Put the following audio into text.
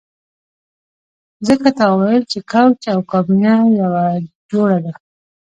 ځکه تا ویل چې کوچ او کابینه یوه جوړه ده